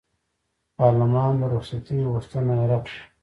پارلمان د رخصتۍ غوښتنه یې رد کړه.